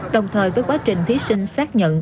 đồng thời với quá trình thí sinh xác nhận